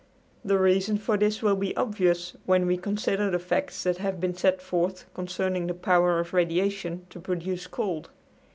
The reason for this will be obvious when we consider the facts that have been set forth concerning the power of radiation to produce cold.